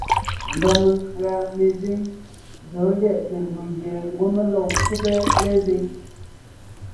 Mba menkʉ̀a mezíŋ zɔ̌ lyɛʼte ndù gie ngwɔ́ mé lɔg ńkúbe lezíŋ.